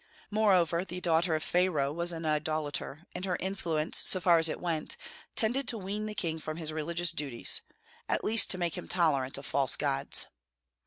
Moreover, the daughter of Pharaoh was an idolater, and her influence, so far as it went, tended to wean the king from his religious duties, at least to make him tolerant of false gods.